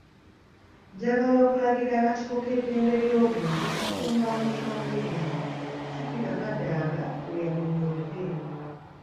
Njagala okulagira akakiiko k'eddembe ly'obuntu okutunula mu nsonga eno.” Sipiika Kadaga bwe yannyonnyodde.